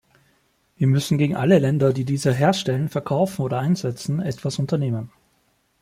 Wir müssen gegen alle Länder, die diese herstellen, verkaufen oder einsetzen, etwas unternehmen.